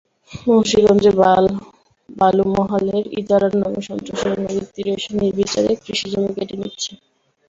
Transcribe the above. মুন্সিগঞ্জে বালুমহালের ইজারার নামে সন্ত্রাসীরা নদীর তীরে এসে নির্বিচারে কৃষিজমি কেটে নিচ্ছে।